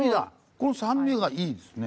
この酸味がいいですね。